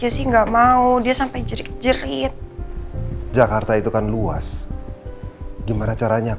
hai ren kamu bisa kan bisa pak sekarang juga saya kesana pak